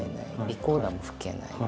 リコーダーも吹けない。